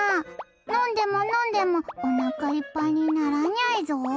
「飲んでも飲んでもおなかいっぱいにならにゃいぞ」